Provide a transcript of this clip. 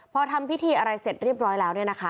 พอทำพิธีอะไรเสร็จเรียบร้อยแล้ว